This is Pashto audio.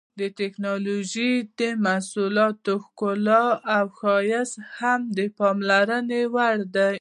د ټېکنالوجۍ د محصولاتو ښکلا او ښایست هم د پاملرنې وړ دي.